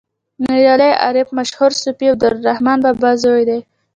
نومیالی عارف مشهور صوفي عبدالرحمان بابا زوی دی.